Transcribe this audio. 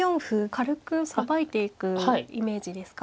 軽くさばいていくイメージですか。